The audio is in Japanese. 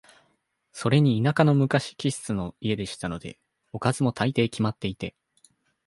それに田舎の昔気質の家でしたので、おかずも、大抵決まっていて、